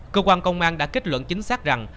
cơ quan công an đã kết luận chính xác rằng